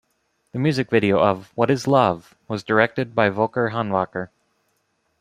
The music video of "What Is Love" was directed by Volker Hannwacker.